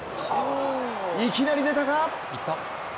いきなり出たか？